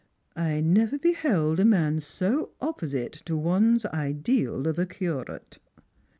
I never beheld a man so opposite to one's ideal of a curate."